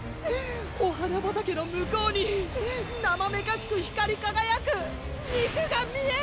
お花畑の向こうになまめかしく光り輝く筋肉が見える！！